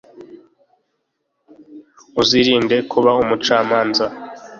uzirinde kuba umucamanza